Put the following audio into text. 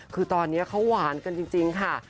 คือตอนนี้เขาหวานกันจริงค่ะ